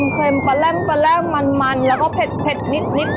เค็มแปลงมันแล้วก็เผ็ดนิด